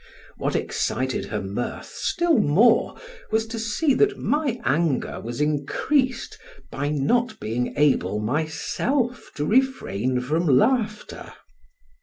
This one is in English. What excited her mirth still more, was to see that my anger was increased by not being able myself to refrain from laughter.